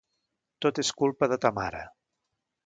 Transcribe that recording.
Tot és culpa de ta mare.